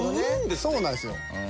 そうなんですよ。